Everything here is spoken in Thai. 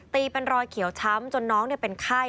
เป็นรอยเขียวช้ำจนน้องเป็นไข้